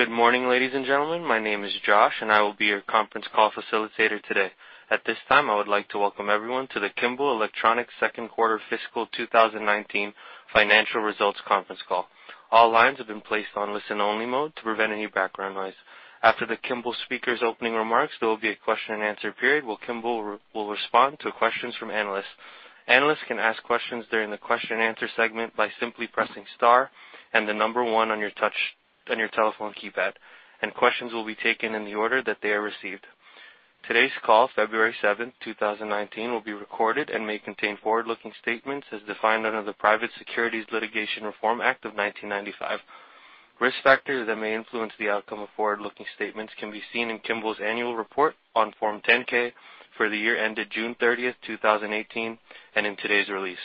Good morning, ladies and gentlemen. My name is Josh, and I will be your conference call facilitator today. At this time, I would like to welcome everyone to the Kimball Electronics Q2 fiscal 2019 financial results conference call. All lines have been placed on listen-only mode to prevent any background noise. After the Kimball speakers' opening remarks, there will be a question and answer period where Kimball will respond to questions from analysts. Analysts can ask questions during the question and answer segment by simply pressing star and the number one on your telephone keypad, and questions will be taken in the order that they are received. Today's call, February 7th, 2019, will be recorded and may contain forward-looking statements as defined under the Private Securities Litigation Reform Act of 1995. Risk factors that may influence the outcome of forward-looking statements can be seen in Kimball's annual report on Form 10-K for the year ended June 30th, 2018, and in today's release.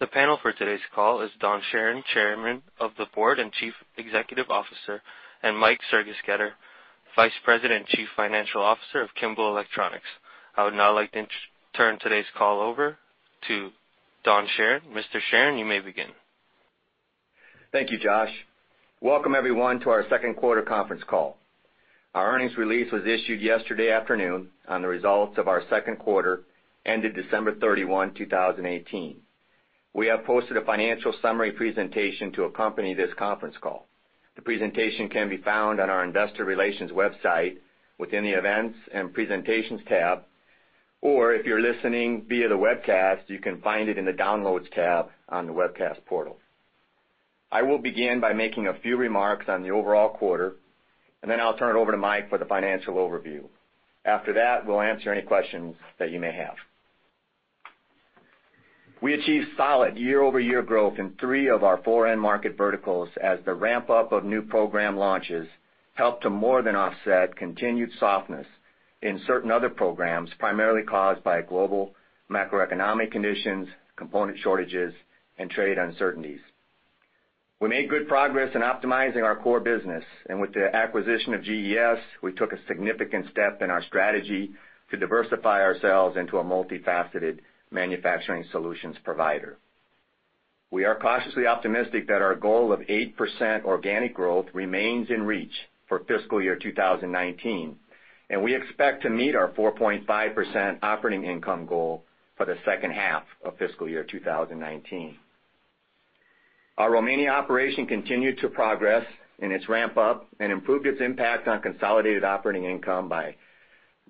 The panel for today's call is Don Charron, Chairman of the Board and Chief Executive Officer, and Mike Sergesketter, Vice President and Chief Financial Officer of Kimball Electronics. I would now like to turn today's call over to Don Charron. Mr. Charron, you may begin. Thank you, Josh. Welcome everyone, to our Q2 conference call. Our earnings release was issued yesterday afternoon on the results of our Q2 ended December 31, 2018. We have posted a financial summary presentation to accompany this conference call. The presentation can be found on our investor relations website within the Events and Presentations tab, or if you're listening via the webcast, you can find it in the Downloads tab on the webcast portal. I will begin by making a few remarks on the overall quarter, and then I'll turn it over to Mike for the financial overview. After that, we'll answer any questions that you may have. We achieved solid year-over-year growth in three of our four end market verticals as the ramp-up of new program launches helped to more than offset continued softness in certain other programs, primarily caused by global macroeconomic conditions, component shortages, and trade uncertainties. We made good progress in optimizing our core business, and with the acquisition of GES, we took a significant step in our strategy to diversify ourselves into a multifaceted manufacturing solutions provider. We are cautiously optimistic that our goal of 8% organic growth remains in reach for fiscal year 2019, and we expect to meet our 4.5% operating income goal for the H2 of fiscal year 2019. Our Romania operation continued to progress in its ramp-up and improved its impact on consolidated operating income by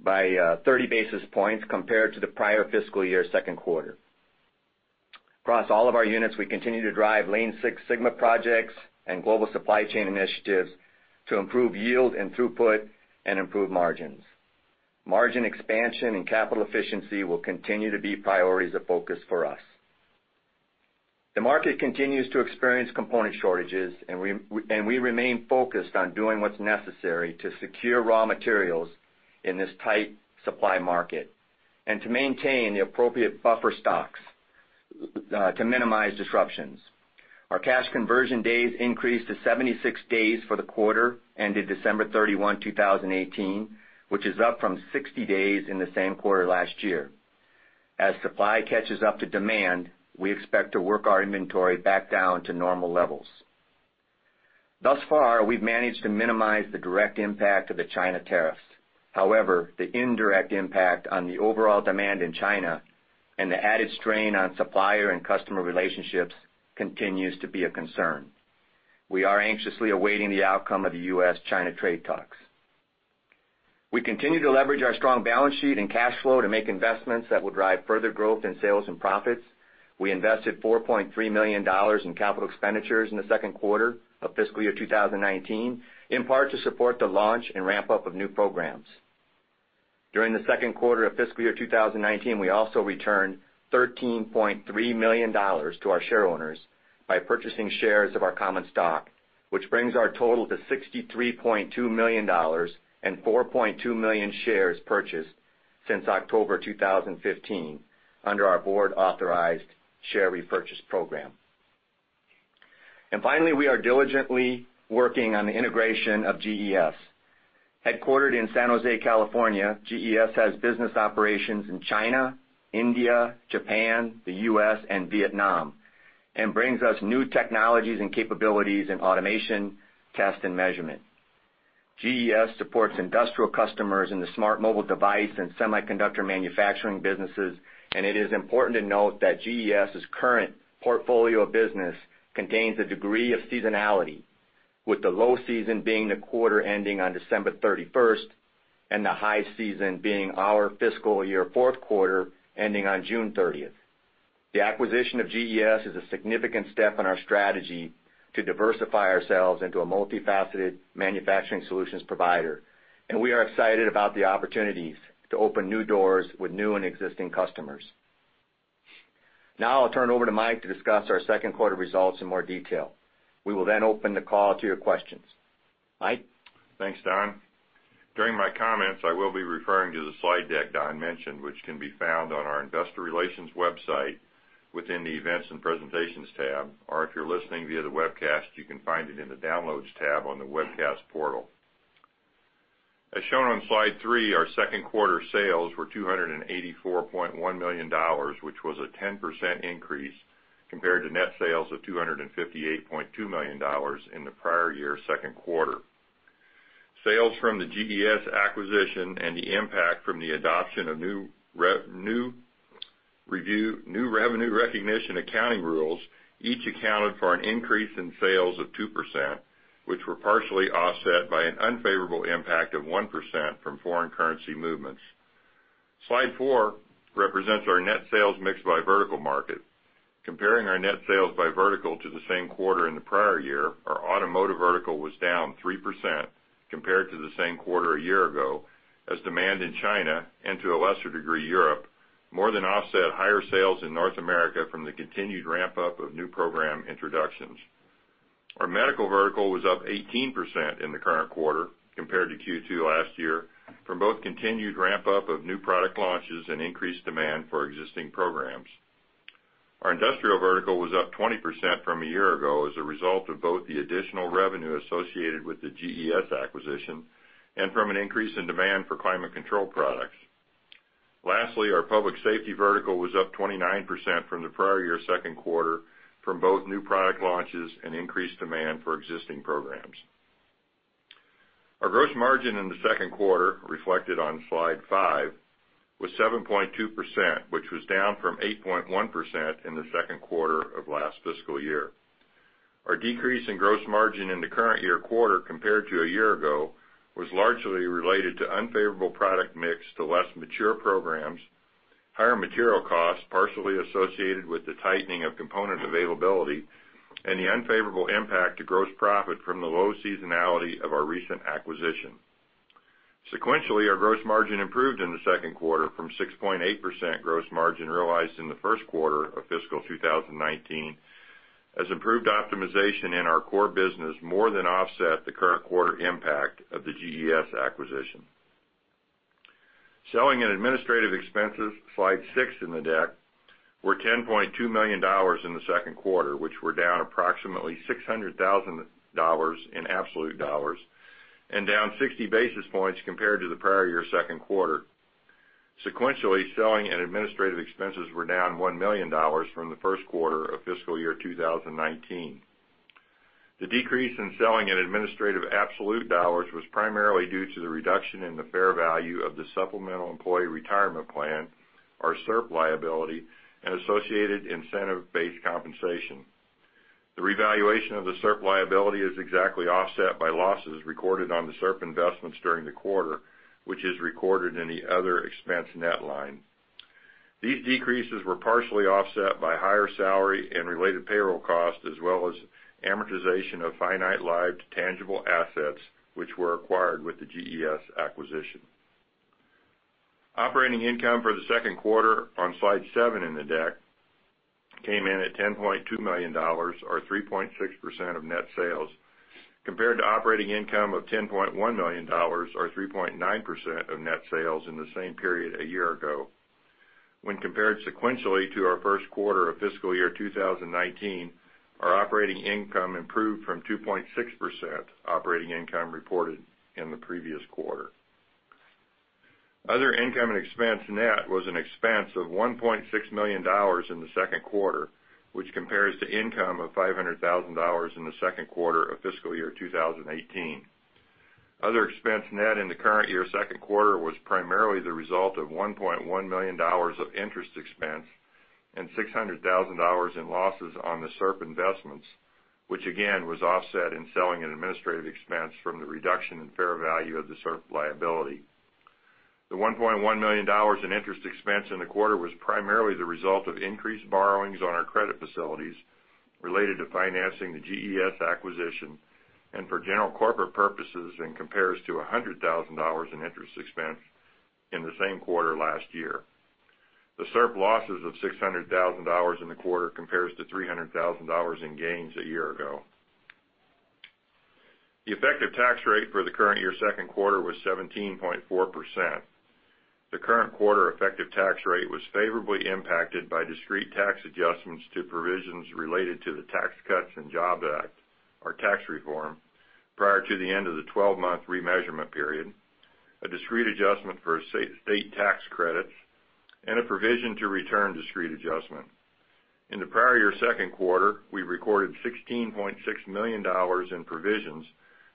30 basis points compared to the prior fiscal year's Q2. Across all of our units, we continue to drive Lean Six Sigma projects and global supply chain initiatives to improve yield and throughput and improve margins. Margin expansion and capital efficiency will continue to be priorities of focus for us. The market continues to experience component shortages, and we remain focused on doing what's necessary to secure raw materials in this tight supply market and to maintain the appropriate buffer stocks to minimize disruptions. Our cash conversion days increased to 76 days for the quarter ended December 31, 2018, which is up from 60 days in the same quarter last year. As supply catches up to demand, we expect to work our inventory back down to normal levels. Thus far, we've managed to minimize the direct impact of the China tariffs. However, the indirect impact on the overall demand in China and the added strain on supplier and customer relationships continues to be a concern. We are anxiously awaiting the outcome of the U.S.-China trade talks. We continue to leverage our strong balance sheet and cash flow to make investments that will drive further growth in sales and profits. We invested $4.3 million in capital expenditures in the Q2 of fiscal year 2019, in part to support the launch and ramp-up of new programs. During the Q2 of fiscal year 2019, we also returned $13.3 million to our shareowners by purchasing shares of our common stock, which brings our total to $63.2 million and 4.2 million shares purchased since October 2015 under our board-authorized share repurchase program. Finally, we are diligently working on the integration of GES. Headquartered in San Jose, California, GES has business operations in China, India, Japan, the U.S., and Vietnam, and brings us new technologies and capabilities in automation, test, and measurement. GES supports industrial customers in the smart mobile device and semiconductor manufacturing businesses, and it is important to note that GES' current portfolio of business contains a degree of seasonality, with the low season being the quarter ending on December 31st and the high season being our fiscal year Q4 ending on June 30th. The acquisition of GES is a significant step in our strategy to diversify ourselves into a multifaceted manufacturing solutions provider, and we are excited about the opportunities to open new doors with new and existing customers. Now I'll turn it over to Michael to discuss our Q2 results in more detail. We will then open the call to your questions. Michael? Thanks, Donald. During my comments, I will be referring to the slide deck Donald mentioned, which can be found on our investor relations website within the Events and Presentations tab, or if you're listening via the webcast, you can find it in the Downloads tab on the webcast portal. Shown on slide three, our Q2 sales were $284.1 million, which was a 10% increase compared to net sales of $258.2 million in the prior year Q2. Sales from the GES acquisition and the impact from the adoption of new revenue recognition accounting rules each accounted for an increase in sales of 2%, which were partially offset by an unfavorable impact of 1% from foreign currency movements. Slide four represents our net sales mix by vertical market. Comparing our net sales by vertical to the same quarter in the prior year, our automotive vertical was down 3% compared to the same quarter a year ago, as demand in China, and to a lesser degree, Europe, more than offset higher sales in North America from the continued ramp-up of new program introductions. Our medical vertical was up 18% in the current quarter compared to Q2 last year from both continued ramp-up of new product launches and increased demand for existing programs. Our industrial vertical was up 20% from a year ago as a result of both the additional revenue associated with the GES acquisition and from an increase in demand for climate control products. Lastly, our public safety vertical was up 29% from the prior year Q2 from both new product launches and increased demand for existing programs. Our gross margin in the Q2, reflected on slide five, was 7.2%, which was down from 8.1% in the Q2 of last fiscal year. Our decrease in gross margin in the current year quarter compared to a year ago was largely related to unfavorable product mix to less mature programs, higher material costs, partially associated with the tightening of component availability, and the unfavorable impact to gross profit from the low seasonality of our recent acquisition. Sequentially, our gross margin improved in the Q2 from 6.8% gross margin realized in the Q1 of fiscal 2019, as improved optimization in our core business more than offset the current quarter impact of the GES acquisition. Selling and administrative expenses, slide six in the deck, were $10.2 million in the Q2, which were down approximately $600,000 in absolute dollars and down 60 basis points compared to the prior year Q2. Sequentially, selling and administrative expenses were down $1 million from the Q1 of fiscal year 2019. The decrease in selling and administrative absolute dollars was primarily due to the reduction in the fair value of the supplemental employee retirement plan, our SERP liability, and associated incentive-based compensation. The revaluation of the SERP liability is exactly offset by losses recorded on the SERP investments during the quarter, which is recorded in the other expense net line. These decreases were partially offset by higher salary and related payroll costs, as well as amortization of finite lived tangible assets, which were acquired with the GES acquisition. Operating income for the Q2, on slide seven in the deck, came in at $10.2 million or 3.6% of net sales compared to operating income of $10.1 million or 3.9% of net sales in the same period a year ago. When compared sequentially to our Q1 of fiscal year 2019, our operating income improved from 2.6% operating income reported in the previous quarter. Other income and expense net was an expense of $1.6 million in the Q2, which compares to income of $500,000 in the Q2 of fiscal year 2018. Other expense net in the current year Q2 was primarily the result of $1.1 million of interest expense and $600,000 in losses on the SERP investments, which again, was offset in selling and administrative expense from the reduction in fair value of the SERP liability. The $1.1 million in interest expense in the quarter was primarily the result of increased borrowings on our credit facilities related to financing the GES acquisition and for general corporate purposes, and compares to $100,000 in interest expense in the same quarter last year. The SERP losses of $600,000 in the quarter compares to $300,000 in gains a year ago. The effective tax rate for the current year Q2 was 17.4%. The current quarter effective tax rate was favorably impacted by discrete tax adjustments to provisions related to the Tax Cuts and Jobs Act, or tax reform, prior to the end of the 12-month remeasurement period, a discrete adjustment for state tax credits, and a provision to return discrete adjustment. In the prior year Q2, we recorded $16.6 million in provisions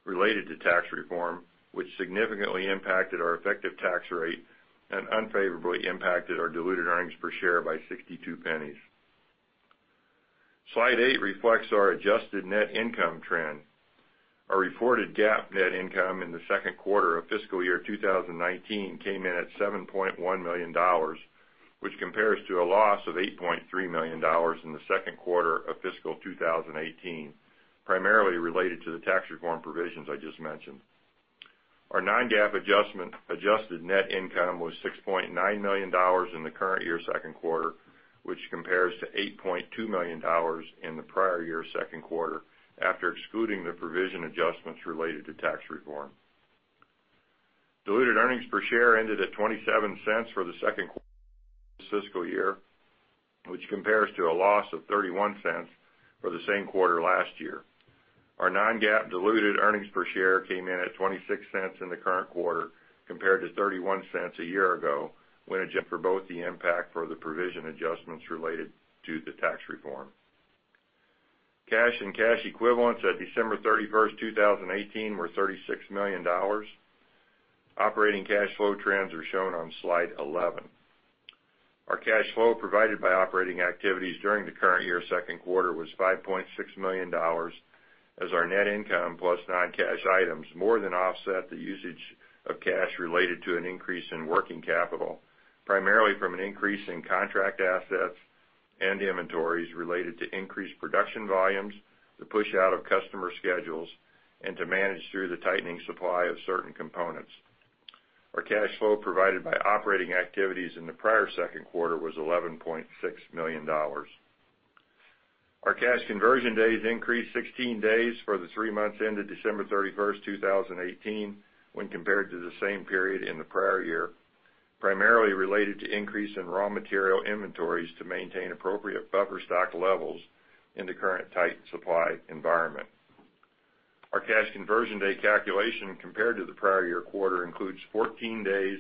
related to tax reform, which significantly impacted our effective tax rate and unfavorably impacted our diluted earnings per share by $0.62. Slide eight reflects our adjusted net income trend. Our reported GAAP net income in the Q2 of fiscal year 2019 came in at $7.1 million, which compares to a loss of $8.3 million in the Q2 of fiscal 2018, primarily related to the tax reform provisions I just mentioned. Our non-GAAP adjusted net income was $6.9 million in the current year Q2, which compares to $8.2 million in the prior year Q2 after excluding the provision adjustments related to tax reform. Diluted earnings per share ended at $0.27 for the Q2 fiscal year, which compares to a loss of $0.31 for the same quarter last year. Our non-GAAP diluted earnings per share came in at $0.26 in the current quarter, compared to $0.31 a year ago when adjusted for both the impact for the provision adjustments related to the tax reform. Cash and cash equivalents at December 31st, 2018 were $36 million. Operating cash flow trends are shown on slide 11. Our cash flow provided by operating activities during the current year's Q2 was $5.6 million, as our net income plus non-cash items more than offset the usage of cash related to an increase in working capital, primarily from an increase in contract assets and inventories related to increased production volumes to push out of customer schedules and to manage through the tightening supply of certain components. Our cash flow provided by operating activities in the prior Q2 was $11.6 million. Our cash conversion days increased 16 days for the three months ended December 31st, 2018 when compared to the same period in the prior year, primarily related to increase in raw material inventories to maintain appropriate buffer stock levels in the current tight supply environment. Our cash conversion day calculation compared to the prior year quarter includes 14 days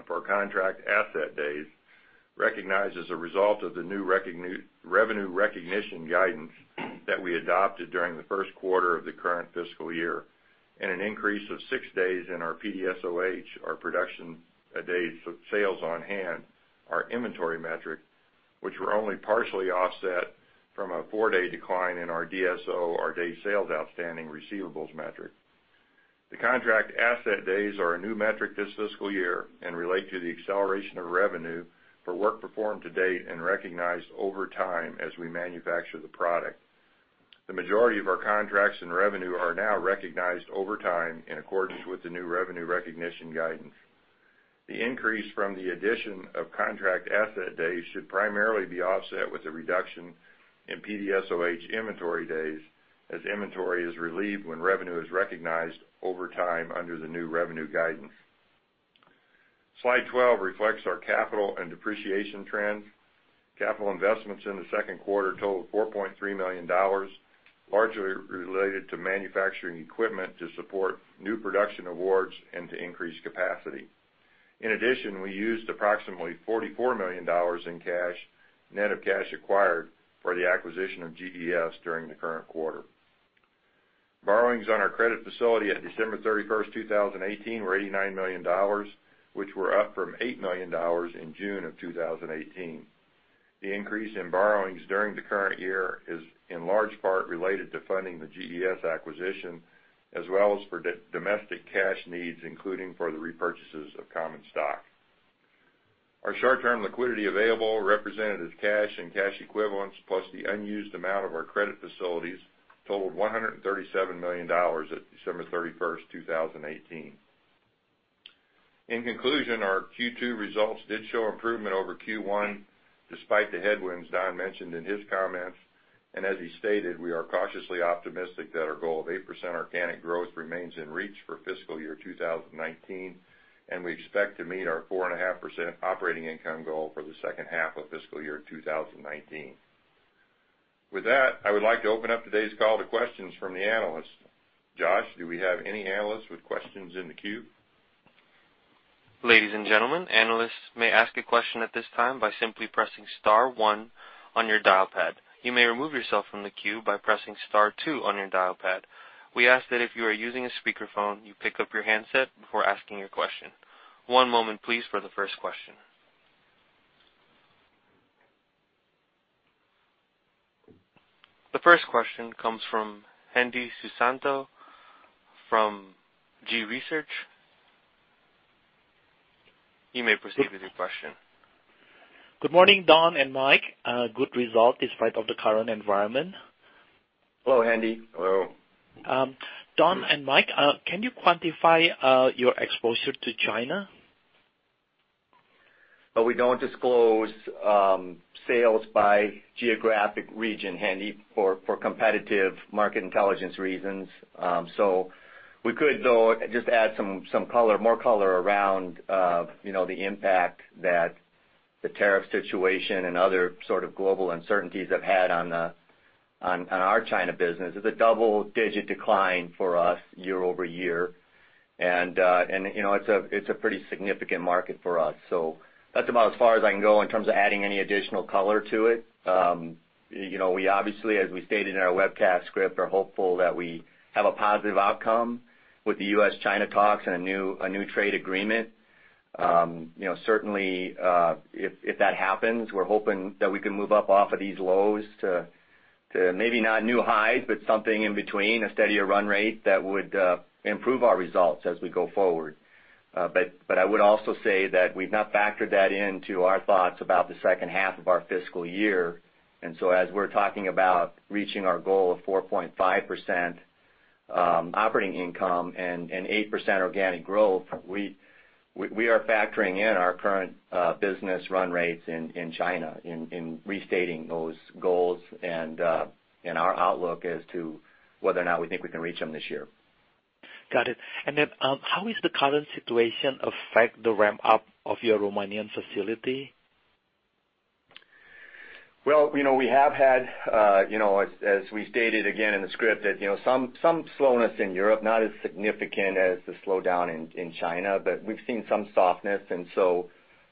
of our contract asset days, recognized as a result of the new revenue recognition guidance that we adopted during the Q1 of the current fiscal year, and an increase of six days in our PDSoH, our production days of sales on hand, our inventory metric, which were only partially offset from a four-day decline in our DSO, our day sales outstanding receivables metric. The contract asset days are a new metric this fiscal year and relate to the acceleration of revenue for work performed to date and recognized over time as we manufacture the product. The majority of our contracts and revenue are now recognized over time in accordance with the new revenue recognition guidance. The increase from the addition of contract asset days should primarily be offset with a reduction in PDSoH inventory days as inventory is relieved when revenue is recognized over time under the new revenue guidance. Slide 12 reflects our capital and depreciation trends. Capital investments in the Q2 totaled $4.3 million, largely related to manufacturing equipment to support new production awards and to increase capacity. In addition, we used approximately $44 million in cash, net of cash acquired, for the acquisition of GES during the current quarter. Borrowings on our credit facility at December 31st, 2018 were $89 million, which were up from $8 million in June of 2018. The increase in borrowings during the current year is in large part related to funding the GES acquisition as well as for domestic cash needs, including for the repurchases of common stock. Our short-term liquidity available, represented as cash and cash equivalents plus the unused amount of our credit facilities, totaled $137 million at December 31st, 2018. In conclusion, our Q2 results did show improvement over Q1 despite the headwinds Don mentioned in his comments. As he stated, we are cautiously optimistic that our goal of 8% organic growth remains in reach for fiscal year 2019, and we expect to meet our 4.5% operating income goal for the H2 of fiscal year 2019. With that, I would like to open up today's call to questions from the analysts. Josh, do we have any analysts with questions in the queue? Ladies and gentlemen, analysts may ask a question at this time by simply pressing star one on your dial pad. You may remove yourself from the queue by pressing star two on your dial pad. We ask that if you are using a speakerphone, you pick up your handset before asking your question. One moment please for the first question. The first question comes from Hendi Susanto from G.research. You may proceed with your question. Good morning, Donald and Michael. A good result despite of the current environment. Hello, Hendri. Hello. Donald and Michael, can you quantify your exposure to China? We don't disclose sales by geographic region, Hendi, for competitive market intelligence reasons. We could, though, just add some more color around the impact that the tariff situation and other sort of global uncertainties have had on our China business. It's a double-digit decline for us year-over-year. And it's a pretty significant market for us. That's about as far as I can go in terms of adding any additional color to it. We obviously, as we stated in our webcast script, are hopeful that we have a positive outcome with the U.S.-China talks and a new trade agreement. Certainly, if that happens, we're hoping that we can move up off of these lows to maybe not new highs, but something in between, a steadier run rate that would improve our results as we go forward. I would also say that we've not factored that into our thoughts about the H2 of our fiscal year. As we're talking about reaching our goal of 4.5% operating income and 8% organic growth, we are factoring in our current business run rates in China in restating those goals and our outlook as to whether or not we think we can reach them this year. Got it. How is the current situation affect the ramp up of your Romanian facility? Well we know we have had, as we stated again in the script, some slowness in Europe, not as significant as the slowdown in China, but we've seen some softness. And so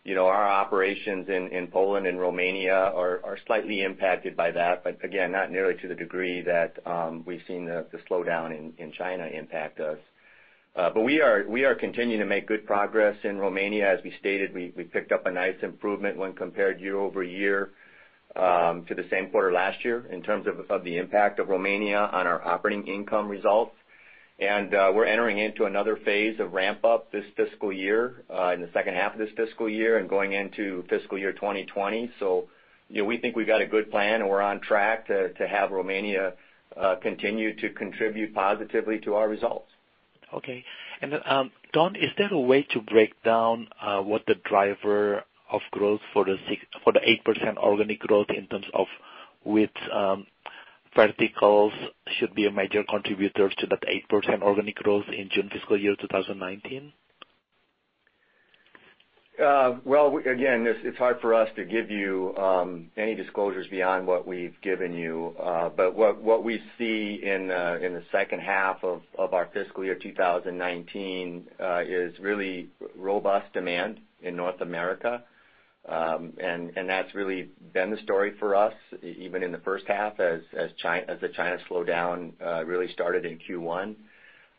our operations in Poland and Romania are slightly impacted by that. But again, not nearly to the degree that we've seen the slowdown in China impact us. We are continuing to make good progress in Romania. As we stated, we picked up a nice improvement when compared year-over-year, to the same quarter last year in terms of the impact of Romania on our operating income results. And we're entering into another phase of ramp up this fiscal year, in the H2 of this fiscal year and going into fiscal year 2020. So we think we've got a good plan, and we're on track to have Romania continue to contribute positively to our results. Okay. Donald, is there a way to break down what the driver of growth for the 8% organic growth in terms of which verticals should be a major contributor to that 8% organic growth in June fiscal year 2019? Well, again, it's hard for us to give you any disclosures beyond what we've given you. What we see in the H2 of our fiscal year 2019, is really robust demand in North America. That's really been the story for us, even in the H1 as the China slowdown really started in Q1.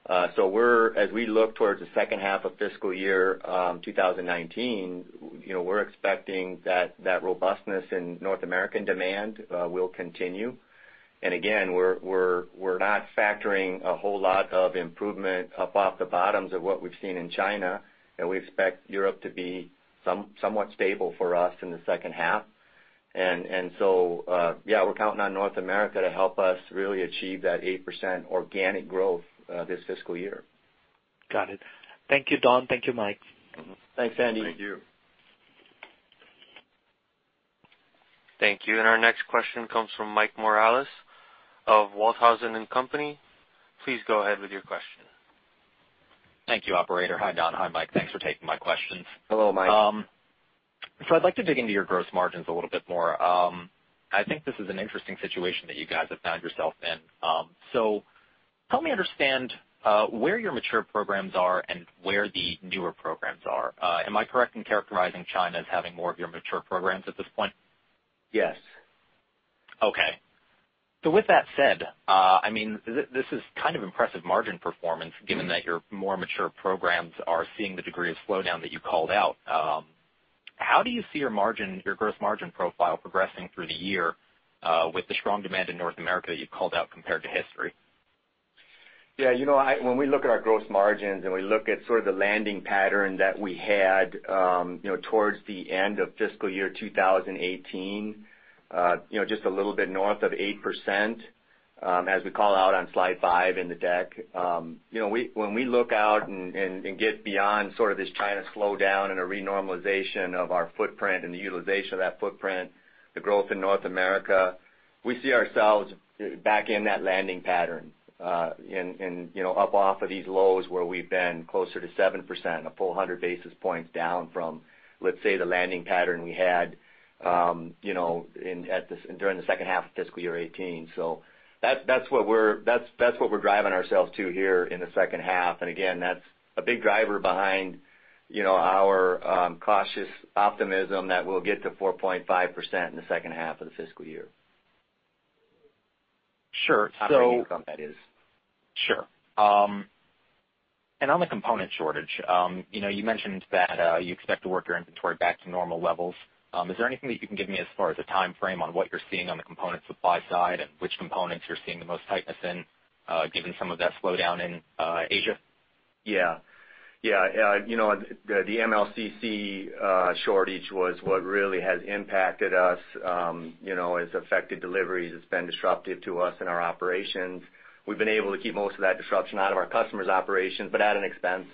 As we look towards the H2 of fiscal year 2019, we're expecting that that robustness in North American demand will continue. And again, we're not factoring a whole lot of improvement up off the bottoms of what we've seen in China, and we expect Europe to be somewhat stable for us in the H2. And so, yeah, we're counting on North America to help us really achieve that 8% organic growth, this fiscal year. Got it. Thank you, Donald. Thank you, Michael. Thanks, Hendi. Thank you. Thank you. Our next question comes from Mike Morales of Walthausen & Co.. Please go ahead with your question. Thank you, operator. Hi, Donald. Hi, Michael. Thanks for taking my questions. Hello, Michael. I'd like to dig into your gross margins a little bit more. I think this is an interesting situation that you guys have found yourself in. So help me understand where your mature programs are and where the newer programs are. Am I correct in characterizing China as having more of your mature programs at this point? Yes. Okay, with that said, uh, I mean, this is kind of impressive margin performance given that your more mature programs are seeing the degree of slowdown that you called out. How do you see your gross margin profile progressing through the year, with the strong demand in North America that you've called out compared to history? Yeah. You know, when we look at our gross margins and we look at sort of the landing pattern that we had towards the end of fiscal year 2018, just a little bit north of 8%, as we call out on slide five in the deck. When we look out and get beyond sort of this China slowdown and a renormalization of our footprint and the utilization of that footprint, the growth in North America, we see ourselves back in that landing pattern, and up off of these lows where we've been closer to 7%, a full 100 basis points down from, let's say, the landing pattern we had during the H2 of fiscal year 2018. So that's what we're driving ourselves to here in the H2. And again, that's a big driver behind our cautious optimism that we'll get to 4.5% in the H2 of the fiscal year. Sure. Operating income, that is. Sure. On the component shortage, you mentioned that you expect to work your inventory back to normal levels. Is there anything that you can give me as far as a timeframe on what you're seeing on the component supply side and which components you're seeing the most tightness in, given some of that slowdown in Asia? Yeah. The MLCC shortage was what really has impacted us, has affected deliveries. It's been disruptive to us in our operations. We've been able to keep most of that disruption out of our customers' operations, but at an expense,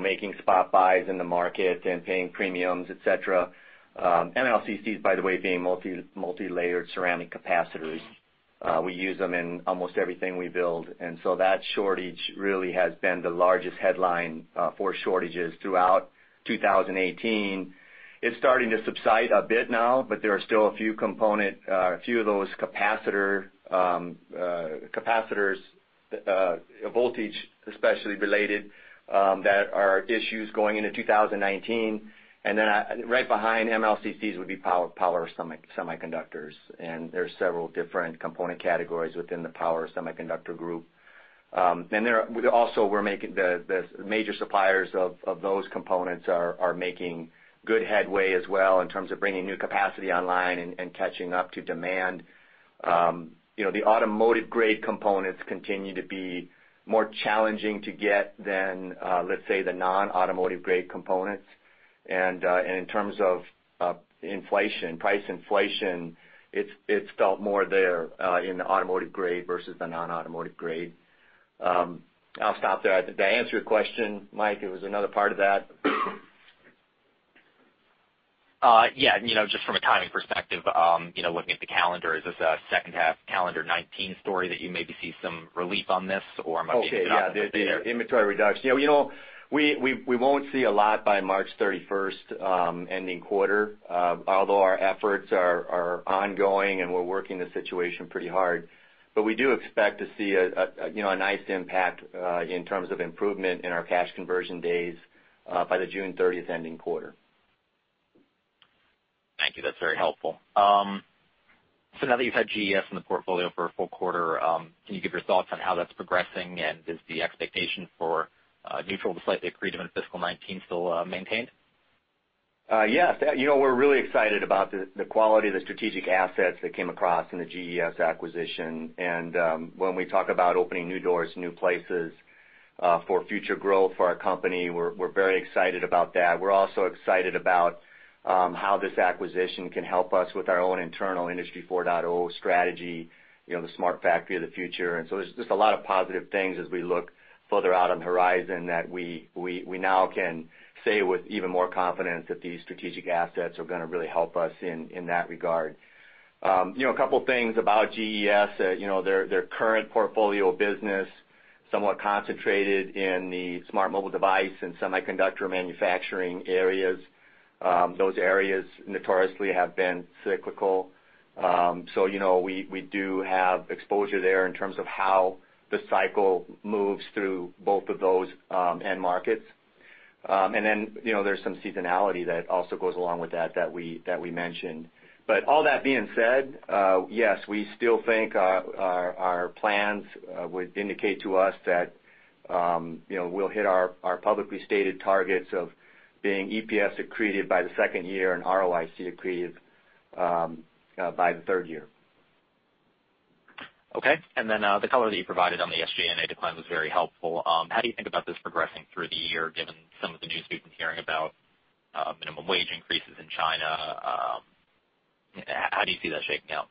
making spot buys in the market and paying premiums, et cetera. MLCC is, by the way, being multi-layered ceramic capacitors. We use them in almost everything we build. And so that shortage really has been the largest headline for shortages throughout 2018. It's starting to subside a bit now, but there are still a few of those capacitors, voltage especially related, that are issues going into 2019. Right behind MLCCs would be power semiconductors, there's several different component categories within the power semiconductor group. Also, the major suppliers of those components are making good headway as well in terms of bringing new capacity online and catching up to demand. The automotive-grade components continue to be more challenging to get than, let's say, the non-automotive-grade components. In terms of price inflation, it's felt more there, in the automotive-grade versus the non-automotive-grade. I'll stop there. Did I answer your question, Michael? There was another part of that. Yeah. Just from a timing perspective, looking at the calendar, is this a H2 calendar 2019 story that you maybe see some relief on this? Am I thinking about that- Okay. Yeah. The inventory reduction. We won't see a lot by March 31st ending quarter. Although our efforts are ongoing, and we're working the situation pretty hard. We do expect to see a nice impact in terms of improvement in our cash conversion days, by the June 30th ending quarter. Thank you. That's very helpful. Now that you've had GES in the portfolio for a full quarter, can you give your thoughts on how that's progressing, and is the expectation for neutral to slightly accretive in fiscal 2019 still maintained? Yes. We're really excited about the quality of the strategic assets that came across in the GES acquisition. When we talk about opening new doors, new places for future growth for our company, we're very excited about that. We're also excited about how this acquisition can help us with our own internal Industry four point zero strategy, the smart factory of the future. There's just a lot of positive things as we look further out on the horizon that we now can say with even more confidence that these strategic assets are going to really help us in that regard. A couple of things about GES. Their current portfolio of business, somewhat concentrated in the smart mobile device and semiconductor manufacturing areas. Those areas notoriously have been cyclical. So you know, we do have exposure there in terms of how the cycle moves through both of those end markets. There's some seasonality that also goes along with that we mentioned. All that being said, yes, we still think our plans would indicate to us that we'll hit our publicly stated targets of being EPS accretive by the second year and ROIC accretive by the third year. Okay. The color that you provided on the SG&A decline was very helpful. How do you think about this progressing through the year, given some of the news we've been hearing about minimum wage increases in China? How do you see that shaking out?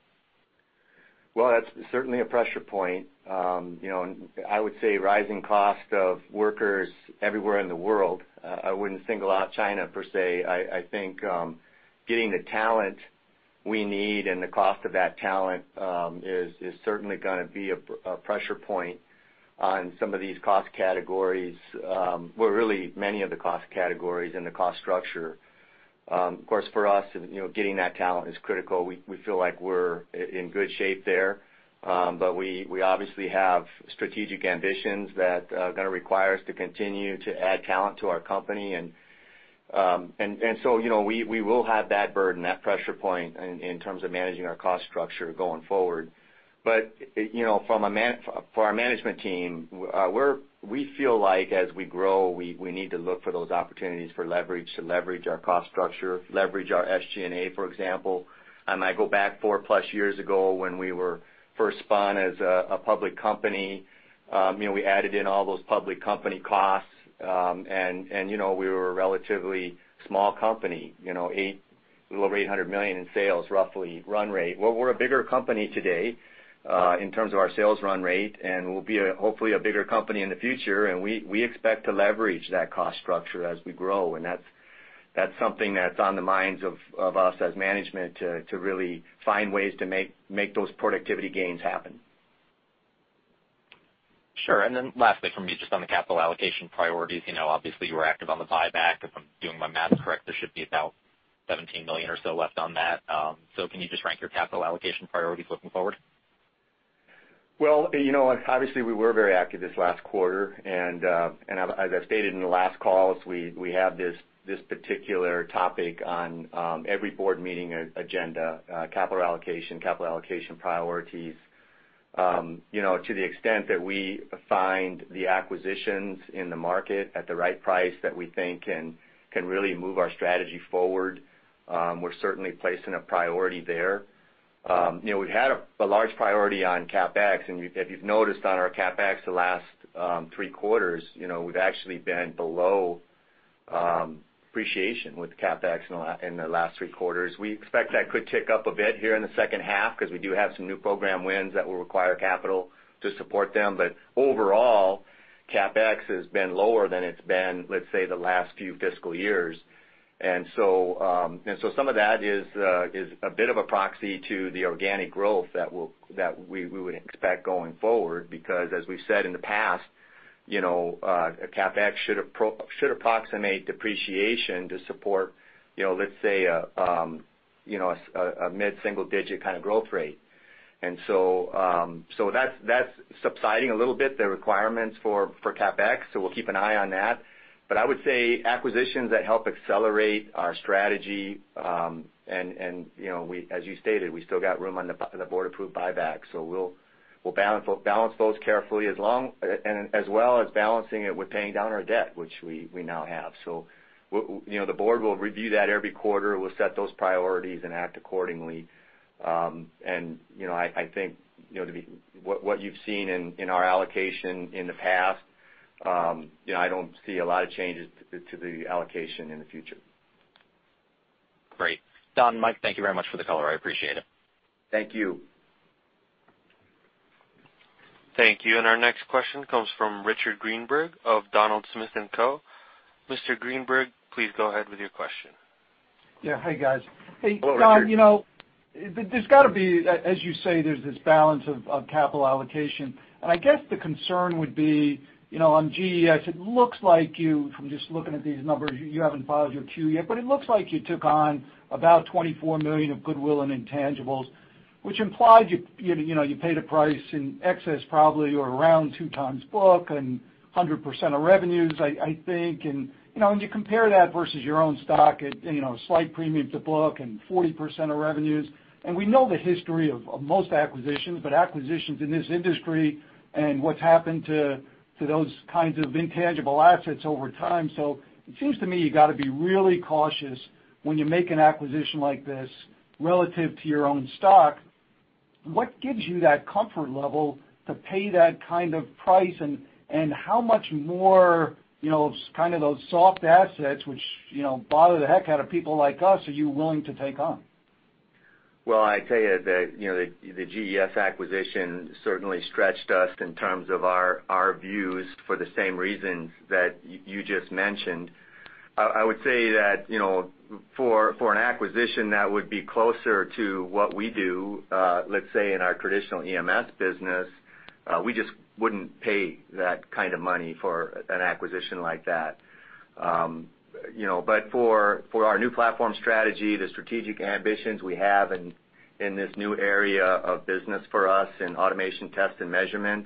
Well, that's certainly a pressure point. I would say rising cost of workers everywhere in the world. I wouldn't single out China per se. I think getting the talent we need and the cost of that talent is certainly going to be a pressure point on some of these cost categories, well, really many of the cost categories in the cost structure. Of course, for us, getting that talent is critical. We feel like we're in good shape there. We obviously have strategic ambitions that are going to require us to continue to add talent to our company. We will have that burden, that pressure point in terms of managing our cost structure going forward. But you know for our management team, we feel like as we grow, we need to look for those opportunities for leverage, to leverage our cost structure, leverage our SG&A, for example. I go back four-plus years ago when we were first spun as a public company. We added in all those public company costs. We were a relatively small company, a little over $800 million in sales, roughly, run rate. Well, we're a bigger company today in terms of our sales run rate, we'll be hopefully a bigger company in the future, we expect to leverage that cost structure as we grow, that's something that's on the minds of us as management to really find ways to make those productivity gains happen. Sure. And then lastly from me, just on the capital allocation priorities. Obviously, you were active on the buyback. If I'm doing my math correct, there should be about $17 million or so left on that. Can you just rank your capital allocation priorities looking forward? Well, you know obviously, we were very active this last quarter. As I've stated in the last calls, we have this particular topic on every board meeting agenda, capital allocation, capital allocation priorities. To the extent that we find the acquisitions in the market at the right price that we think can really move our strategy forward, we're certainly placing a priority there. We've had a large priority on CapEx. If you've noticed on our CapEx the last three quarters, we've actually been below appreciation with CapEx in the last three quarters. We expect that could tick up a bit here in the H2 because we do have some new program wins that will require capital to support them. Overall, CapEx has been lower than it's been, let's say, the last few fiscal years. Some of that is a bit of a proxy to the organic growth that we would expect going forward because as we've said in the past, CapEx should approximate depreciation to support, let's say, a mid-single-digit kind of growth rate. And so that's subsiding a little bit, the requirements for CapEx. We'll keep an eye on that. I would say acquisitions that help accelerate our strategy, and as you stated, we still got room on the board-approved buyback. We'll balance those carefully and as well as balancing it with paying down our debt, which we now have. The board will review that every quarter. We'll set those priorities and act accordingly. And you know, I think what you've seen in our allocation in the past, I don't see a lot of changes to the allocation in the future. Great. Donald, Michael, thank you very much for the color. I appreciate it. Thank you. Thank you. Our next question comes from Richard Greenberg of Donald Smith & Co. Mr. Greenberg, please go ahead with your question. Yeah. Hey, guys. Hello, Richard. Hey, Donald. There's got to be, as you say, there's this balance of capital allocation. I guess the concern would be, on GES, it looks like you, from just looking at these numbers, you haven't filed your Q yet, but it looks like you took on about $24 million of goodwill and intangibles, which implied you paid a price in excess probably, or around 2x book and 100% of revenues, I think. You compare that versus your own stock at a slight premium to book and 40% of revenues. We know the history of most acquisitions, but acquisitions in this industry and what's happened to those kinds of intangible assets over time. It seems to me, you got to be really cautious when you make an acquisition like this relative to your own stock. What gives you that comfort level to pay that kind of price, and how much more kind of those soft assets, which bother the heck out of people like us, are you willing to take on? Well, I tell you that the GES acquisition certainly stretched us in terms of our views for the same reasons that you just mentioned. I would say that for an acquisition that would be closer to what we do, let's say in our traditional EMS business, we just wouldn't pay that kind of money for an acquisition like that. For our new platform strategy, the strategic ambitions we have in this new area of business for us in automation test and measurement,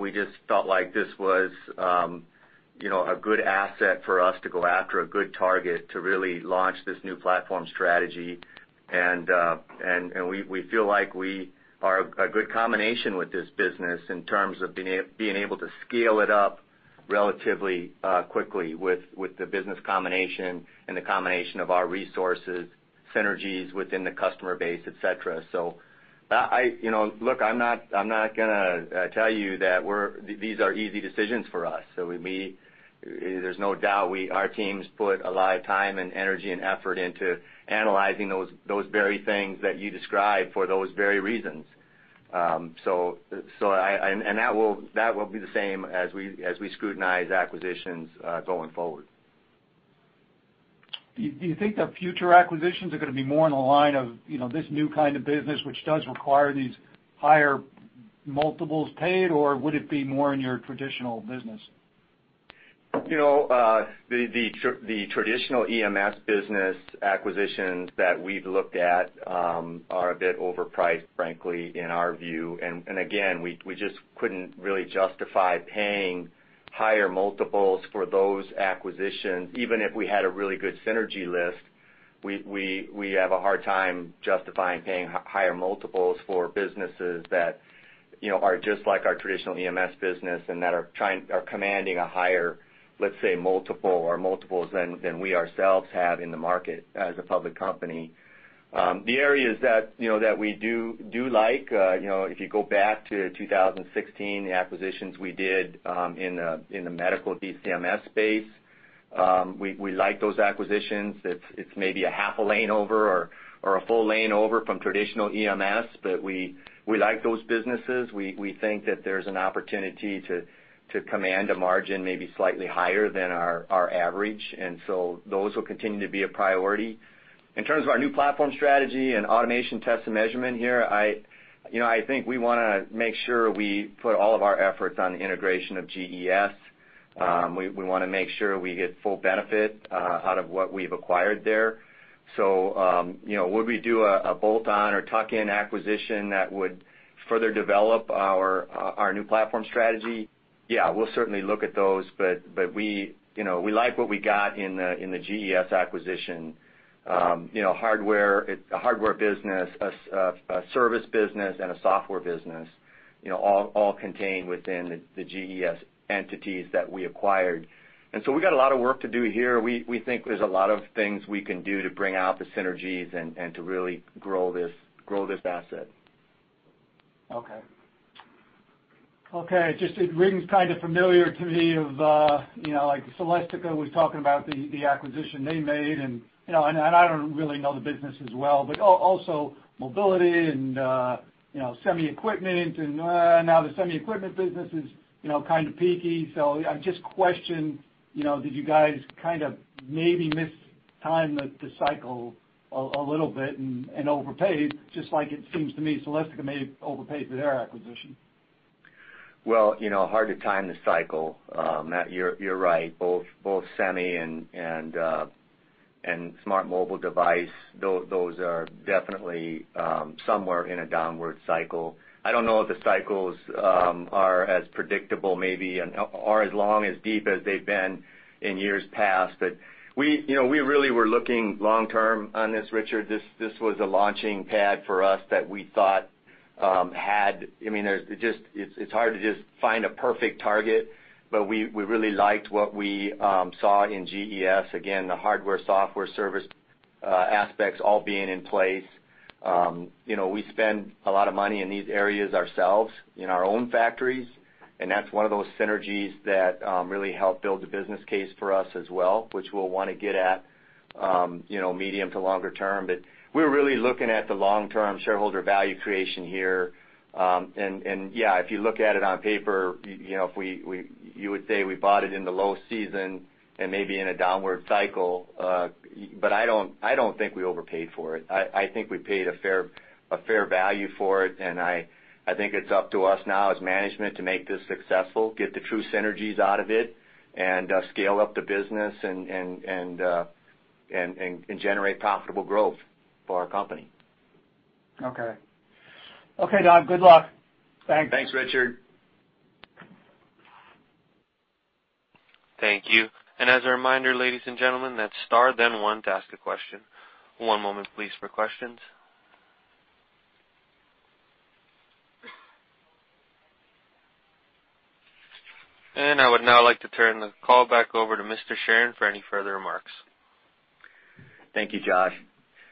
we just felt like this was a good asset for us to go after, a good target to really launch this new platform strategy. We feel like we are a good combination with this business in terms of being able to scale it up relatively quickly with the business combination and the combination of our resources, synergies within the customer base, et cetera. Look, I'm not going to tell you that these are easy decisions for us. There's no doubt our teams put a lot of time and energy and effort into analyzing those very things that you described for those very reasons. That will be the same as we scrutinize acquisitions going forward. Do you think the future acquisitions are going to be more in the line of this new kind of business, which does require these higher multiples paid, or would it be more in your traditional business? The traditional EMS business acquisitions that we've looked at are a bit overpriced, frankly, in our view. Again, we just couldn't really justify paying higher multiples for those acquisitions, even if we had a really good synergy list. We have a hard time justifying paying higher multiples for businesses that are just like our traditional EMS business and that are commanding a higher, let's say, multiple or multiples than we ourselves have in the market as a public company. The areas that we do like, if you go back to 2016, the acquisitions we did in the medical DCMS space, we like those acquisitions. It's maybe a half a lane over or a full lane over from traditional EMS, we like those businesses. We think that there's an opportunity to command a margin maybe slightly higher than our average. Those will continue to be a priority. In terms of our new platform strategy and automation test and measurement here, I think we want to make sure we put all of our efforts on the integration of GES. We want to make sure we get full benefit out of what we've acquired there. So we would do a bolt-on or tuck-in acquisition that would further develop our new platform strategy? Yeah, we'll certainly look at those, but we like what we got in the GES acquisition. A hardware business, a service business, and a software business, all contained within the GES entities that we acquired. We got a lot of work to do here. We think there's a lot of things we can do to bring out the synergies and to really grow this asset. Okay. Just it rings kind of familiar to me of, like Celestica was talking about the acquisition they made and I don't really know the business as well, but also mobility and semi equipment, and now the semi equipment business is kind of peaky. I just question, did you guys kind of maybe mistime the cycle a little bit and overpaid, just like it seems to me Celestica may have overpaid for their acquisition? Well, hard to time the cycle. Matt, you're right. Both semi and smart mobile device, those are definitely somewhere in a downward cycle. I don't know if the cycles are as predictable maybe, and are as long, as deep as they've been in years past. We really were looking long term on this, Richard. This was a launching pad for us that we thought It's hard to just find a perfect target, but we really liked what we saw in GES. Again, the hardware, software, service aspects all being in place. We spend a lot of money in these areas ourselves, in our own factories, and that's one of those synergies that really help build the business case for us as well, which we'll want to get at medium to longer term. We're really looking at the long-term shareholder value creation here. Yeah, if you look at it on paper, you would say we bought it in the low season and maybe in a downward cycle. I don't think we overpaid for it. I think we paid a fair value for it, and I think it's up to us now as management to make this successful, get the true synergies out of it, and scale up the business and generate profitable growth for our company. Okay. Okay, Donald. Good luck. Thanks. Thanks, Richard. Thank you. As a reminder, ladies and gentlemen, that's star then one to ask a question. One moment please for questions. And now I would like to turn the call back over to Mr. Charron for any further remarks. Thank you, Josh.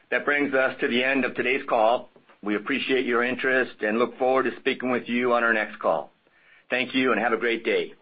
That brings us to the end of today's call. We appreciate your interest and look forward to speaking with you on our next call. Thank you and have a great day.